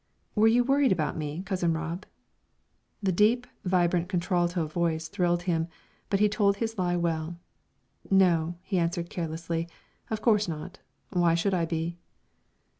"Were you worried about me, Cousin Rob?" The deep, vibrant contralto voice thrilled him, but he told his lie well. "No," he answered, carelessly, "of course not. Why should I be?"